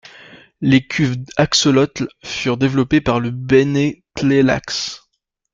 Les cuves Axlotl furent développées par le Bene Tleilax.